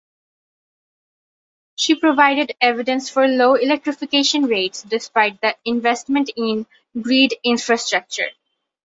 She provided evidence for low electrification rates despite the investments in grid infrastructure.